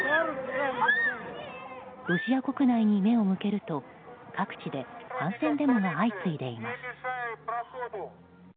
ロシア国内に目を向けると各地で反戦デモが相次いでいます。